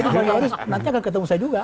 jadi pak luhut nanti akan ketemu saya juga